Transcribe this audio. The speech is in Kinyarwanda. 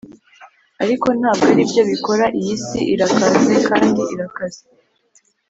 ariko ntabwo aribyo bikora; iyi si irakaze kandi irakaze